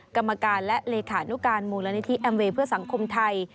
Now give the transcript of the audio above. กรรมการและเลขานุการมูลนิธิแอมเวย์เพื่อสังคมไทย